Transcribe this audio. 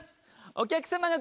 お客様が。